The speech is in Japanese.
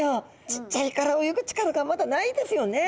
ちっちゃいから泳ぐ力がまだないですよね。